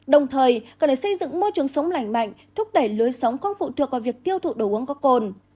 đồng thời cần phải xây dựng môi trường sống lành mạnh thúc đẩy lưới sống không phụ thuộc vào việc tiêu thụ đồ uống có cồn